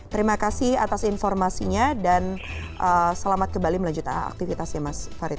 terima kasih atas informasinya dan selamat kembali melanjutkan aktivitasnya mas farid